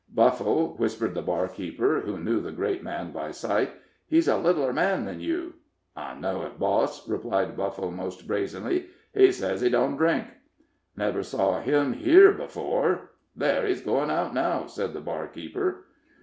"Buffle," whispered the barkeeper, who knew the great man by sight, "he's a littler man than you." "I know it, boss," replied Buffle, most brazenly. "He sez he don't drink." "Never saw him here before there, he's goin' out now," said the barkeeper.